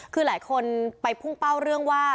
คือหลายคนไปพุ่งเป้าเรื่องว่า